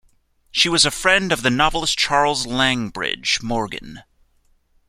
She was a friend of the novelist Charles Langbridge Morgan.